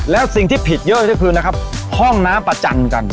แล้วสิ่งที่ผิดเยอะก็คือนะครับห้องน้ำประจันกัน